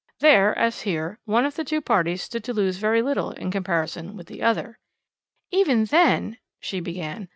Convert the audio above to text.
There, as here, one of the two parties stood to lose very little in comparison with the other " "Even then " she began.